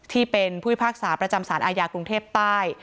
ที่เป็นผู้พิพากษาประจำสารอาญากรุงเทพใต้